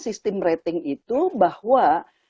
sistem rating itu bahwa